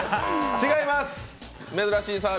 違います。